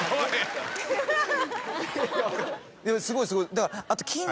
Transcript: すごいすごい。